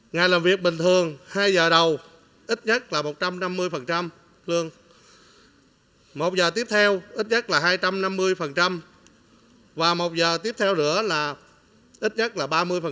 ngày làm việc bình thường hai giờ đầu ít nhất là một trăm năm mươi một giờ tiếp theo ít nhất là hai trăm năm mươi và một giờ tiếp theo nữa là ít nhất là ba mươi